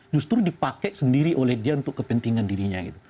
justru dipakai sendiri oleh dia untuk kepentingan dirinya gitu